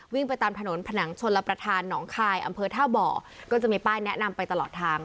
ไปตามถนนผนังชนรับประทานหนองคายอำเภอท่าบ่อก็จะมีป้ายแนะนำไปตลอดทาง